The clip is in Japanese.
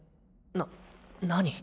な何？